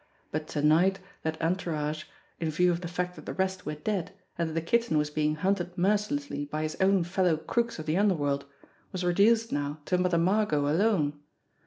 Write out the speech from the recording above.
But to night that entourage, in view of the fact that the rest were dead and that the Kitten was being hunted mercilessly by his own fellow crooks of the underworld, was reduced now to Mother Margot alone.